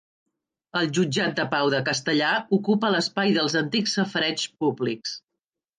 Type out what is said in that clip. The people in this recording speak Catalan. El Jutjat de Pau de Castellar ocupa l'espai dels antics safareigs públics.